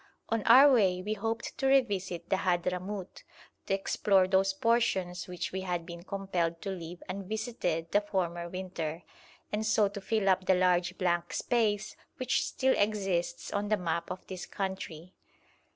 On our way we hoped to revisit the Hadhramout, to explore those portions which we had been compelled to leave unvisited the former winter, and so to fill up the large blank space which still exists on the map of this country.